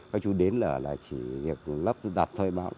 các chú đến là chỉ lắp đặt thôi mà